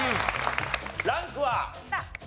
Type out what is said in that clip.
ランクは？